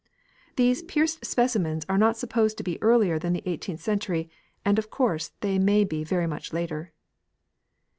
These pierced specimens are not supposed to be earlier than the eighteenth century, and of course they may be very much later.